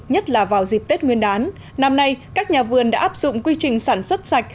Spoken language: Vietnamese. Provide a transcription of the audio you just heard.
nhất là vào dịp tết nguyên đán năm nay các nhà vườn đã áp dụng quy trình sản xuất sạch